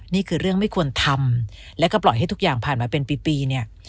นี่คือเรื่องไม่ควรทำแล้วก็ปล่อยให้ทุกอย่างผ่านมาเป็นปีเนี่ย